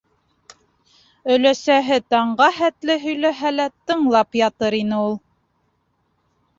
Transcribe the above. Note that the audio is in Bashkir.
Өләсәһе таңға хәтле һөйләһә лә, тыңлап ятыр ине ул.